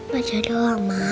baca doang mbak